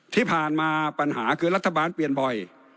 ที่ผ่านมาปัญหาคือรัฐบาลเปลี่ยนบ่อย